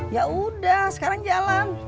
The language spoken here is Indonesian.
yaudah sekarang jalan